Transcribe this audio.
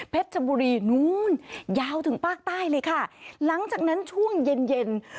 ชบุรีนู้นยาวถึงภาคใต้เลยค่ะหลังจากนั้นช่วงเย็นเย็น